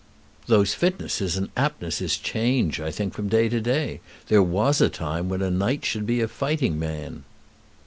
"Those fitnesses and aptnesses change, I think, from day to day. There was a time when a knight should be a fighting man."